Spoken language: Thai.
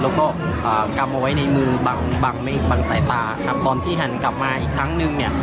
แล้วก็กำเอาไว้ในมือบังบังไม่บังสายตาครับตอนที่หันกลับมาอีกครั้งนึงเนี่ย